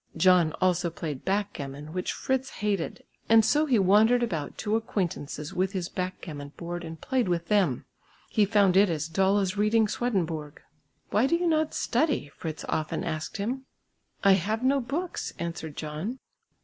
John also played backgammon, which Fritz hated, and so he wandered about to acquaintances with his backgammon board and played with them. He found it as dull as reading Swedenborg. "Why do you not study?" Fritz often asked him. "I have no books," answered John.